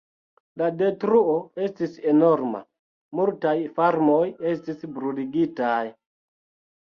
La detruo estis enorma; multaj farmoj estis bruligitaj.